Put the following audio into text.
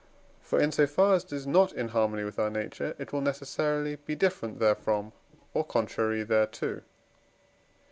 For, in so far as it is not in harmony with our nature, it will necessarily be different therefrom or contrary thereto.